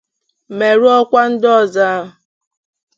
merụọkwa ndị ọzọ ahụ.